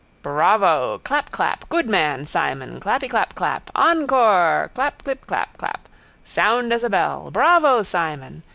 —Bravo! Clapclap. Good man, Simon. Clappyclapclap. Encore! Clapclipclap clap. Sound as a bell. Bravo, Simon!